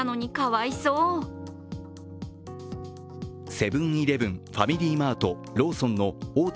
セブン−イレブン、ファミリーマート、ローソンの大手